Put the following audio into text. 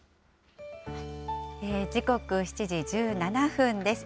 時刻７時１７分です。